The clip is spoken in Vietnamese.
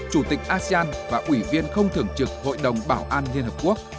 chủ tịch asean và ủy viên không thưởng trực hội đồng bảo an liên hợp quốc